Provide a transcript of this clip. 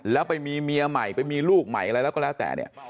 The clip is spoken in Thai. แล้วไปมีเมียใหม่ไปมีลูกใหม่อะไรแล้วก็แล้วแต่เนี่ย